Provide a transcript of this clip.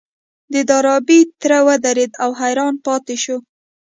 د ډاربي تره ودرېد او حيران پاتې شو.